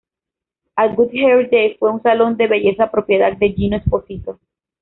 A Good Hair Day, fue un salón de belleza propiedad de Gino Esposito.